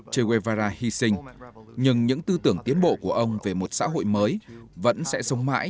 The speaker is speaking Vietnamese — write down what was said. che guevara hy sinh nhưng những tư tưởng tiến bộ của ông về một xã hội mới vẫn sẽ sống mãi